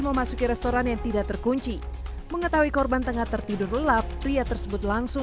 memasuki restoran yang tidak terkunci mengetahui korban tengah tertidur lelap pria tersebut langsung